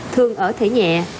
thường ở thể nhẹ